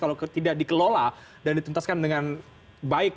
kalau tidak dikelola dan ditentaskan dengan baik